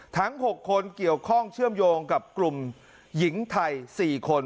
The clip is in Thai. ทั้ง๖คนเกี่ยวข้องเชื่อมโยงกับกลุ่มหญิงไทย๔คน